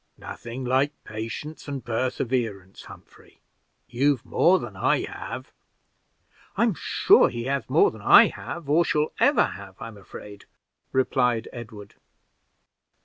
"Nothing like patience and perseverance, Humphrey. You've more than I have." "I'm sure he has more than I have, or shall ever have, I'm afraid," replied Edward.